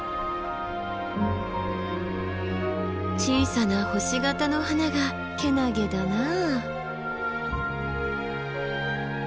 小さな星形の花がけなげだなあ。